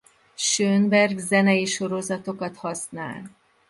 Schönberg zenei sorozatokat használ.